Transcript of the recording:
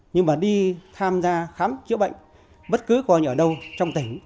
nhưng mà đi tham gia khám chữa bệnh bất cứ coi như ở đâu trong tỉnh